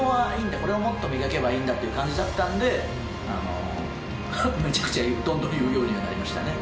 これをもっと磨けばいいんだっていう感じだったんで、めちゃくちゃどんどん言うようにはなりましたね。